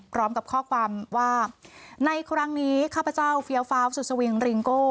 พร้อมกับข้อความว่าในครั้งนี้ข้าพเจ้าเฟี้ยวฟ้าวสุดสวิงริงโก้